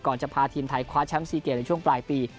จะพาทีมไทยคว้าแชมป์๔เกมในช่วงปลายปี